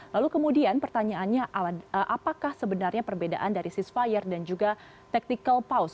lalu kemudian pertanyaannya apakah sebenarnya perbedaan dari sisfire dan juga tactical pouse